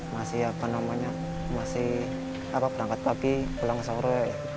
masih berangkat pagi pulang sore